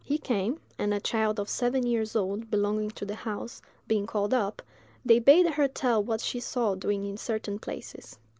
He came, and a child of seven years old, belonging to the house, being called up, they bade her tell what she saw doing in certain places.